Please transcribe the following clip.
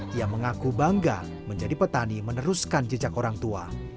dia mengaku bangga menjadi petani meneruskan jejak orang tua